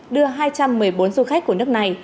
đưa hai trăm một mươi bốn du khách của nước này